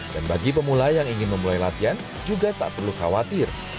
dan bagi pemula yang ingin memulai latihan juga tak perlu khawatir